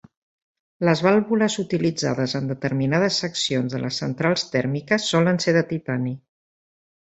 Les vàlvules utilitzades en determinades seccions de les centrals tèrmiques solen ser de titani.